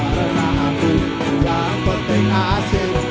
karena aku yang penting asik